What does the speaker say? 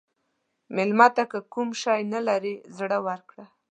مېلمه ته که کوم شی نه لرې، زړه ورکړه.